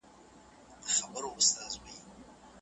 عامه ګټي خوندي کړئ او ژوند اسانه کړئ.